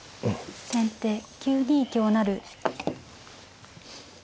先手９二香成。